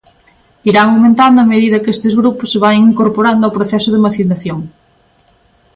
Irán aumentando a medida que estes grupos se vaian incorporando ao proceso de vacinación.